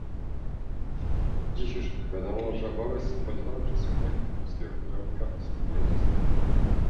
Dziś już jednak wiadomo, że obawy symbolizowane przez słynnego "polskiego hydraulika" są nieuzasadnione